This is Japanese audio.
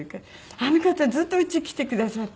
あの方ずっと家に来てくださって。